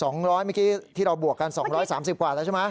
เมื่อกี้ที่เราบวกกัน๒๓๐กว่าแล้วใช่ไหม